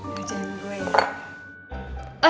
ngerjain gue ya